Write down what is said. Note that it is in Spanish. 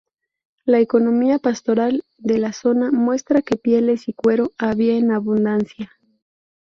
La economía pastoral de la zona muestra que pieles y cuero había en abundancia.